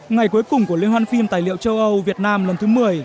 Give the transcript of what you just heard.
ngày cuối cùng của lên hoàn phim tài liệu châu âu việt nam lần thứ một mươi